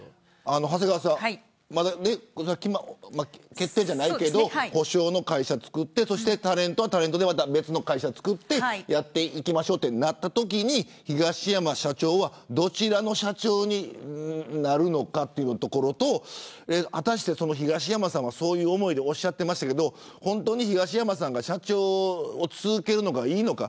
長谷川さんまだ決定じゃないけど補償の会社をつくってタレントはタレントで別の会社をつくってやっていきましょうとなったときに、東山社長はどちらの社長になるのかというところと果たして東山さんはそういう思いでおっしゃってましたけど本当に東山さんが社長を続けるのがいいのか。